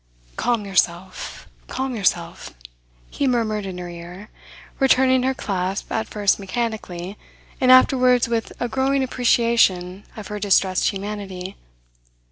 "Calm yourself, calm yourself," he murmured in her ear, returning her clasp at first mechanically, and afterwards with a growing appreciation of her distressed humanity.